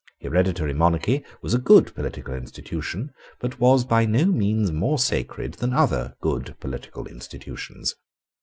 Hereditary monarchy was a good political institution, but was by no means more sacred than other good political institutions.